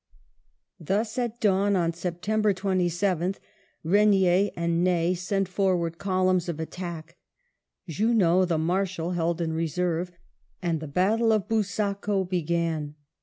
Thus at dawn on September 27th Regnier and Ney sent forward columns of attack ; Junot the Marshal held in reserve ; and the Battle of Busaco began.